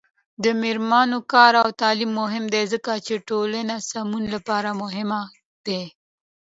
د میرمنو کار او تعلیم مهم دی ځکه چې ټولنې سمون لپاره مهم دی.